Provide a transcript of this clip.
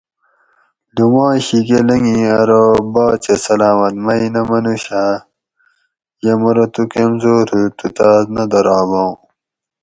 لومائ شیکہۤ لنگی ارو باۤچہ سلامت مئ نہ منوش آ ؟یہ مرو تو کمزور ہوت تو تاس نہ دراباں